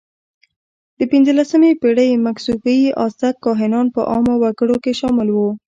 د پینځلسمې پېړۍ مکسیکويي آزتک کاهنان په عامو وګړو کې شامل وو.